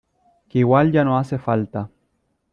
que igual ya no hace falta.